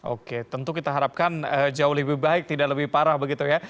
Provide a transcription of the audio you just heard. oke tentu kita harapkan jauh lebih baik tidak lebih parah begitu ya